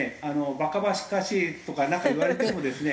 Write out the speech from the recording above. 「バカバカしい」とかなんか言われてもですね